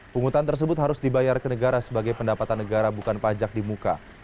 penghutan tersebut harus dibayar ke negara sebagai pendapatan negara bukan pajak di muka